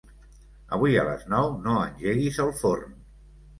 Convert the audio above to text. Avui a les nou no engeguis el forn.